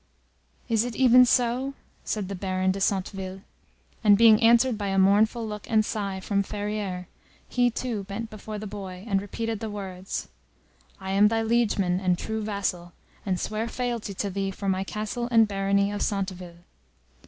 "Is it even so?" said the Baron de Centeville; and being answered by a mournful look and sigh from Ferrieres, he too bent before the boy, and repeated the words, "I am thy liegeman and true vassal, and swear fealty to thee for my castle and barony of Centeville."